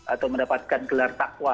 atau mendapatkan gelar taqwa